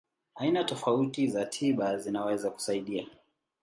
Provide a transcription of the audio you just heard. Aina tofauti za tiba zinaweza kusaidia.